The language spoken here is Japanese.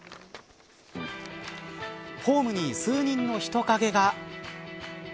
ホームに数人の人影が。